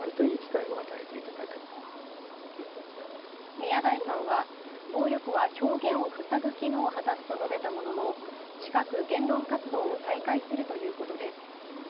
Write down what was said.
宮台さんは暴力は表現を塞ぐ機能を果たすと述べたものの近く言論活動を再開するということです。